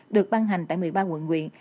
được ban hành tại một mươi ba quận nguyện